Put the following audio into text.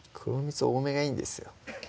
つ多めがいいんですよ